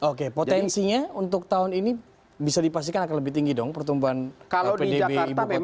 oke potensinya untuk tahun ini bisa dipastikan akan lebih tinggi dong pertumbuhan pdb ibu kota dibandingkan tahun lalu